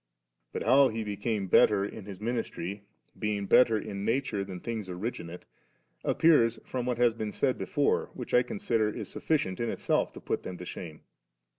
But how He became better in ffii ministry, being better in nature than things originate, appears from what has been said before, which, I consider, is sufficient in itself to put them to shame.